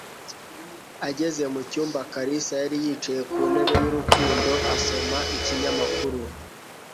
Ageze mu cyumba, Kalisa yari yicaye ku ntebe y'urukundo asoma ikinyamakuru.